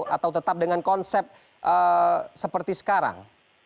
atau tetap dengan konsep seperti sekarang